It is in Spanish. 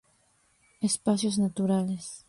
Espacios Naturales.